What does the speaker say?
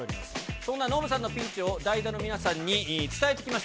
そんなノブさんのピンチを、代打の皆さんに伝えてきました、